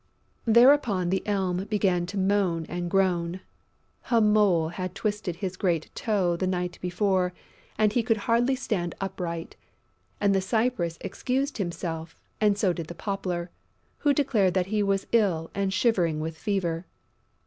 Thereupon the Elm began to moan and groan: a mole had twisted his great toe the night before and he could hardly stand upright; and the Cypress excused himself and so did the Poplar, who declared that he was ill and shivering with fever.